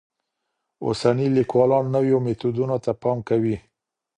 اوسني لیکوالان نویو میتودونو ته پام کوي.